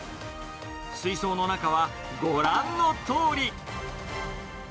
水槽の中はご覧のとおり。